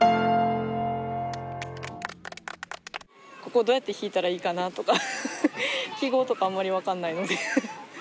ここどうやって弾いたらいいかなとか記号とかあんまり分かんないので。